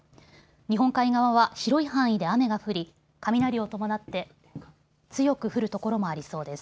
日本海側は広い範囲で雨が降り雷を伴って強く降る所もありそうです。